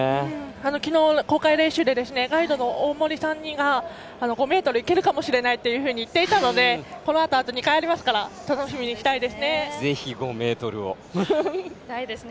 昨日の公開練習でガイドの大森さんが５ｍいけるかもしれないと言っていたのでこのあと、２回ありますから楽しみにしたいですね。